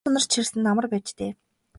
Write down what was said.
Хувцас хунар чирсэн нь амар байж дээ.